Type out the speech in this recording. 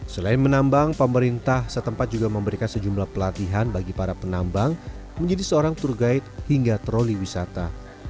selain menambang pemerintah setempat juga memberikan sejumlah pelatihan bagi para penambang menjadi seorang tour guide hingga troli wisata